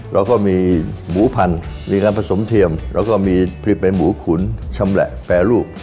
เราก็มีหมูพันธุ์มีการผสมเทียมแล้วก็มีผลิตเป็นหมูขุนชำแหละแปรรูป